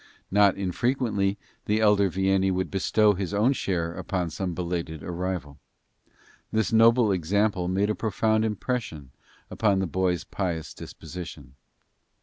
Not infrequently the elder Vianney would bestow his own share upon some belated arrival. This noble example made a profound impression upon the boy's pious disposition.